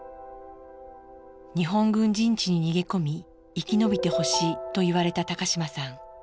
日本軍陣地に逃げ込み生き延びてほしいと言われた高島さん。